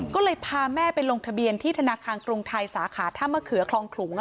ก็เลยพาแม่ไปลงทะเบียนที่ธนาคารกรุงไทยสาขาท่ามะเขือคลองขลุง